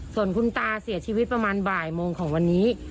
ส่วนคุณตาเสียชีวิตประมาณบ่ายโมงของวันนี้